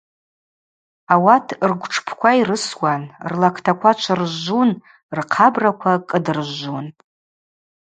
Ауат ргвтшпква йрысуан, рлактаква чвыржвжвун, рхъабраква кӏыдыржвжвун.